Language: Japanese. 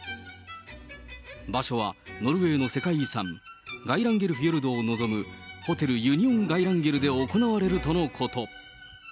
場所はノルウェーの世界遺産、ガイランゲルフィヨルドを望むホテル・ユニオン・ガイランゲルで行われるとのこと。